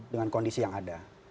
dengan kondisi yang ada